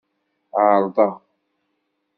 Ɛeṛḍeɣ.